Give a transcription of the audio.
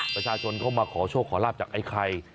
ประชาชนเข้ามาขอโชคขอลาบจากไอ้ไข่